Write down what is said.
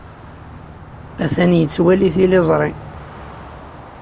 Atan yettwali tiliẓri.